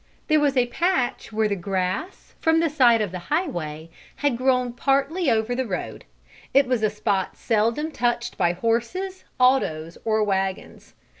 There was a patch where the grass, from the side of the highway, had grown partly over the road. It was a spot seldom touched by horses, autos or wagons.